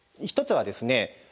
１つはですね